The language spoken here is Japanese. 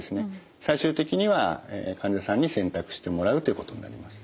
最終的には患者さんに選択してもらうということになります。